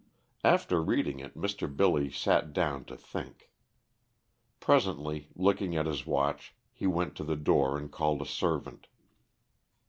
After reading it Mr. Billy sat down to think. Presently, looking at his watch, he went to the door and called a servant.